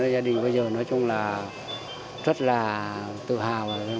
gia đình bây giờ nói chung là rất là tự hào